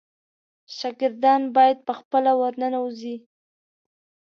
شاګردان باید په خپله ورننوزي.